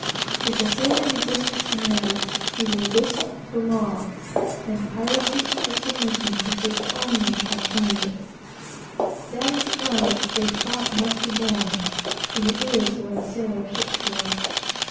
If a sailor resist his commander, he resists the law, and piracy or submission are his only alternatives. Bad as it was, it must be borne. It is what a sailor ships for.